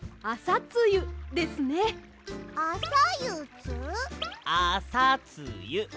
あさつゆ。